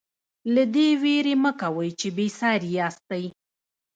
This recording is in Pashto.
له دې وېرې مه کوئ چې بې ساري یاستئ.